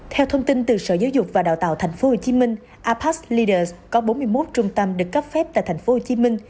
theo thông tin từ sở giáo dục và đào tạo tp hcm apas leaders có bốn mươi một trung tâm được cấp phép tại tp hcm